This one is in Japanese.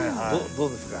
どうですか？